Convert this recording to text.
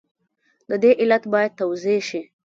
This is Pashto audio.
د دې علت باید توضیح شي.